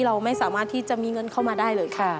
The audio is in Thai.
เราไม่สามารถที่จะมีเงินเข้ามาได้เลยค่ะ